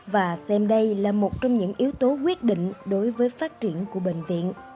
và xem đây là một trong những yếu tố quyết định đối với phát triển của bệnh viện